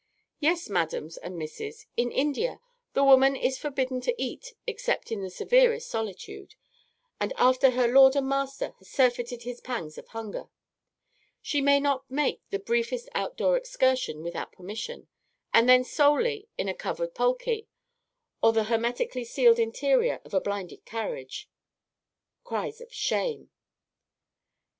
Yes, Madams and Misses, in India the woman is forbidden to eat except in the severest solitude, and after her lord and master has surfeited his pangs of hunger; she may not make the briefest outdoor excursion without permission, and then solely in a covered palkee, or the hermetically sealed interior of a blinded carriage. (_Cries of 'Shame.'